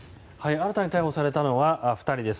新たに逮捕されたのは２人です。